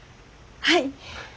はい！